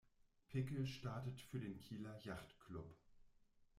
Pickel startet für den Kieler Yacht-Club.